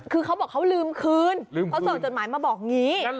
คือเขาบอกเขาลืมคืนเขาส่งจดหมายมาบอกอย่างนี้